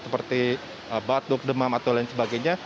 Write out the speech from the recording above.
seperti batuk demam atau lain sebagainya